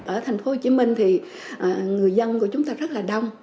ở thành phố hồ chí minh thì người dân của chúng ta rất là đông